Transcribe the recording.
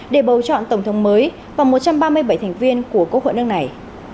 để bầu chọn tổng thống mới và một trăm ba mươi bảy thành viên của quốc hội nước này